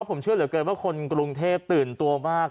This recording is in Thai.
ผมเชื่อเหลือเกินว่าคนกรุงเทพตื่นตัวมาก